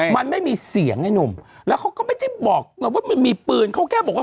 มันมีเสียงไงแล้วเขาก็ไม่ได้บอกว่ามันมีปืนเขาแก้บอกว่า